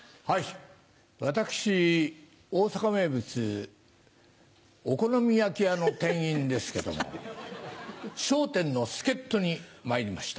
私大阪名物お好み焼き屋の店員ですけども『笑点』の助っ人にまいりました。